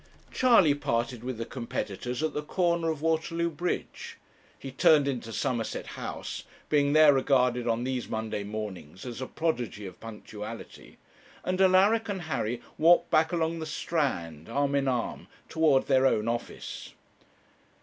Charley parted with the competitors at the corner of Waterloo Bridge. He turned into Somerset House, being there regarded on these Monday mornings as a prodigy of punctuality; and Alaric and Harry walked back along the Strand, arm in arm, toward their own office.